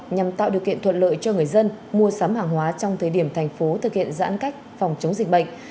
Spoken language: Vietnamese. nhằm tạo điều kiện thuận lợi cho người dân mua sắm hàng hóa trong thời điểm thành phố thực hiện giãn cách phòng chống dịch bệnh